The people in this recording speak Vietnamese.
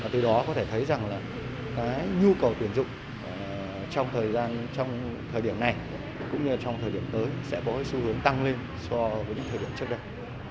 từ đó có thể thấy rằng là cái nhu cầu tuyển dụng trong thời gian trong thời điểm này cũng như trong thời điểm tới sẽ có xu hướng tăng lên so với những thời điểm trước đây